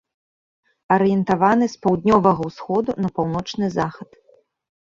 Арыентаваны з паўднёвага усходу на паўночны захад.